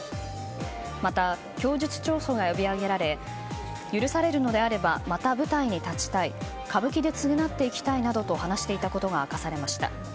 また、供述調書が読み上げられ許されるのであればまた舞台に立ちたい歌舞伎で償っていきたいなどと話していたことが明かされました。